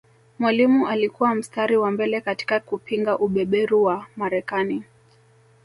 Mwalimu alikuwa mstari wa mbele katika kupinga ubeberu wa Marekani